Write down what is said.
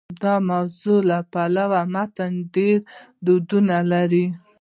د موضوع له پلوه متن ډېر ډولونه لري.